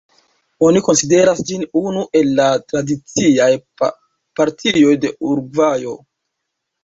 Oni konsideras ĝin unu el la tradiciaj partioj de Urugvajo.